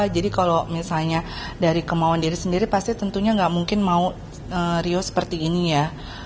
jadi kalau misalnya dari kemauan diri sendiri pasti tentunya nggak mungkin mau rio seperti ini ya